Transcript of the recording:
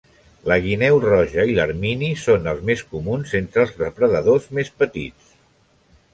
La guineu roja i l'ermini són els més comuns entre els depredadors més petits.